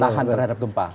tahan terhadap gempa